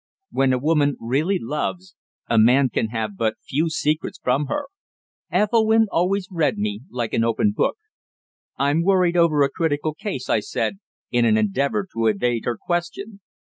When a woman really loves, a man can have but few secrets from her. Ethelwynn always read me like an open book. "I'm worried over a critical case," I said, in an endeavour to evade her question.